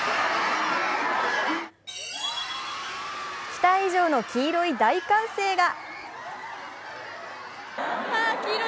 期待以上に黄色い大歓声が。